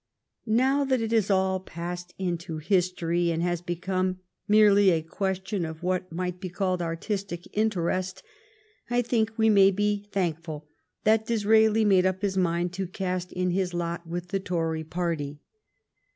Now that it has all passed into history, and has become merely a question of what might be called artistic interest, I think we may be thank ful that Disraeli made up his mind to cast in his lot with the Tory party.